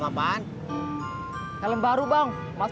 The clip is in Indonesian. temu tapi cuma bentar